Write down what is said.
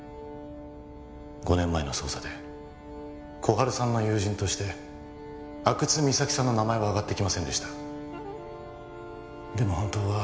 ５年前の捜査で心春さんの友人として阿久津実咲さんの名前はあがってきませんでした